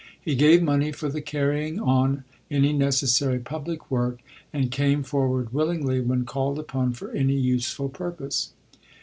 He gave money for the carrying on any necessary public work, and came forward willingly when called upon for any useful purpose.